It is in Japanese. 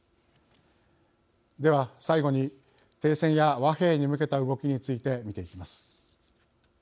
では、最後に停戦や和平に向けた動きについて見ていきます。